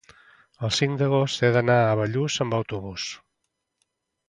El cinc d'agost he d'anar a Bellús amb autobús.